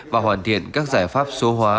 và hoàn thiện các giải pháp số hóa